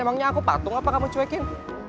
emangnya aku patung apa kamu cuekin